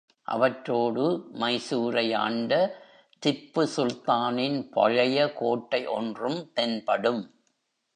அவற்றோடு மைசூரை ஆண்ட திப்புசுல்தானின் பழைய கோட்டை ஒன்றும் தென்படும்.